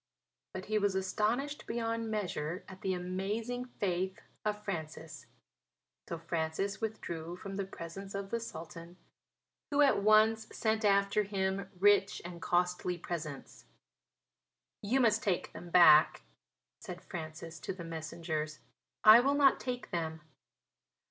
But he was astonished beyond measure at the amazing faith of Francis. So Francis withdrew from the presence of the Sultan, who at once sent after him rich and costly presents. "You must take them back," said Francis to the messengers; "I will not take them."